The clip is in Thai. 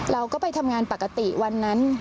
เราก็ไปทำงานปกติวันนั้น